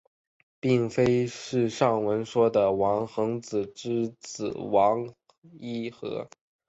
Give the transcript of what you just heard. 并非是上文说的王桓之子王尹和。